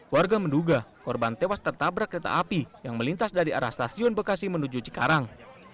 warga menduga korban tewas tertabrak kereta api yang melintas dari arah stasiun bekasi menuju cikarang